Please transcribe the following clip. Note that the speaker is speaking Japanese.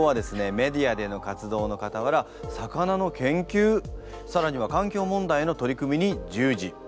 メディアでの活動のかたわら魚の研究さらには環境問題への取り組みに従事。